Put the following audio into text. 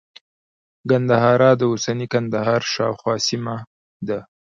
ګندهارا د اوسني ننګرهار شاوخوا سیمه وه